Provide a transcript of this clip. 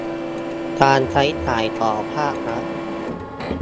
การใช้จ่ายของภาครัฐ